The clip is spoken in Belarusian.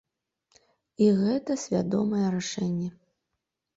І гэта свядомае рашэнне.